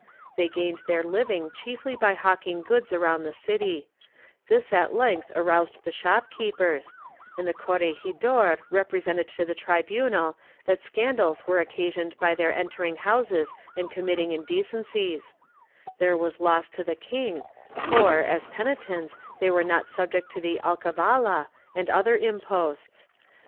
They gained their living chiefly by hawking goods around the city; this at length aroused the shopkeepers, and the corregidor represented to the tribunal that scandals were occa sioned by their entering houses and committing indecencies ; there was loss to the king for, as penitents, they were not subject to the alcavala and other imposts; thus favored they undersold the ' Obregon, Mexico viejo, le Serie, p.